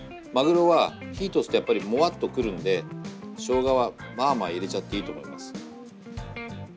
まぐろは火通すとやっぱりモワっとくるんでしょうがはまあまあ入れちゃっていいと思います。